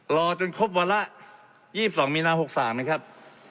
รอจนครบวาระ๒๒มีนา๖๓นะครับ